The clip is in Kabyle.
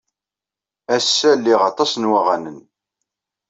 Ass-a, liɣ aṭas n waɣanen.